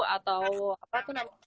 atau apa itu namanya